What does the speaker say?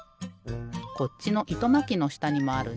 こっちのいとまきのしたにもあるね。